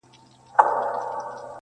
o چي ودڅنګ تې مقبره جوړه د سپي ده,